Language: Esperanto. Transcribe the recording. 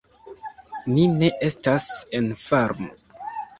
Ni ne estas en farmo."